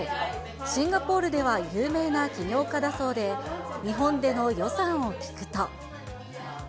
シンガポールでは有名な起業家だそうで、日本での予算を聞くと。